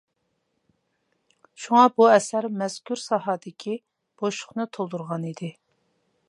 شۇڭا بۇ ئەسەر مەزكۇر ساھەدىكى بوشلۇقنى تولدۇرغان ئىدى.